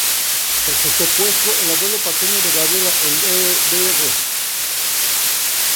Tras el secuestro, el abuelo paterno de Gabriela, el Dr.